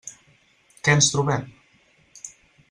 Què ens trobem?